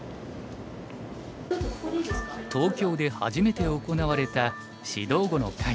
東京で初めて行われた指導碁の会。